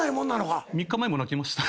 ３日前も泣きました。